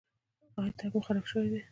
ایا تګ مو خراب شوی دی؟